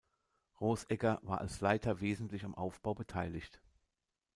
Rosegger war als Leiter wesentlich am Aufbau beteiligt.